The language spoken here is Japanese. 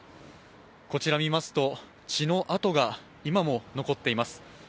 こちら見ますと、血のあとが今も残っています。